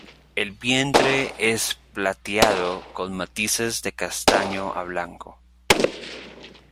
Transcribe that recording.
El vientre es plateado con matices de castaño a blanco.